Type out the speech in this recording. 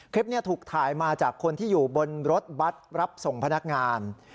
คลิปนี้ถูกถ่ายมาจากคนที่อยู่บนรถบัตรรับส่งพนักงาน